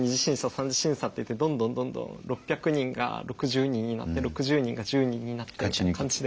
３次審査っていってどんどんどんどん６００人が６０人になって６０人が１０人になってって感じで。